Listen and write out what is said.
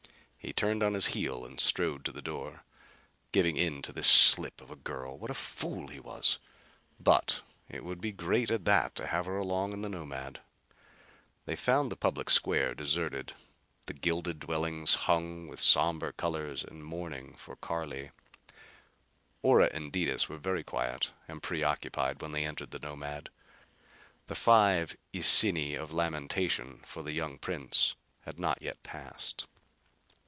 He turned on his heel and strode to the door. Giving in to this slip of a girl! What a fool he was! But it would be great at that to have her along in the Nomad. They found the public square deserted, the gilded dwellings hung with somber colors in mourning for Carli. Ora and Detis were very quiet and preoccupied when they entered the Nomad. The five isini of lamentation for the young prince had not yet passed.